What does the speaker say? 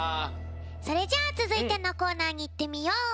それじゃあつづいてのコーナーにいってみよう。